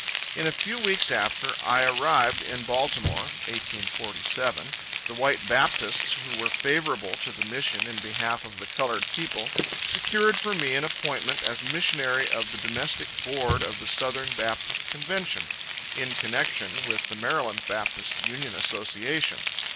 In a few weeks after I had arrived in Baltimore, (1847,) the white Baptists who were favorable to the mission in behalf of the colored people, secured for me an appointment as missionary of the Domestic Board of the Southern Baptist Convention, in connection with the Maryland Baptist Union Association.